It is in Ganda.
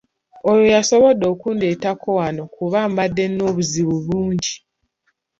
Oyo y'asobodde okundeetako wano kuba mbadde n'obuzibu bungi.